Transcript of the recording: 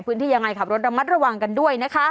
พื้นที่ยังไงขับรถระมัดระวังกันด้วยนะคะ